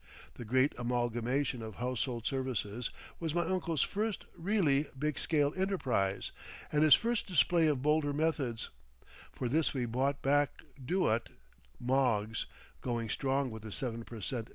The great amalgamation of Household Services was my uncle's first really big scale enterprise and his first display of bolder methods: for this we bought back Do Ut, Moggs (going strong with a seven per cent.